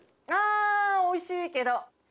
あー、惜しいけど。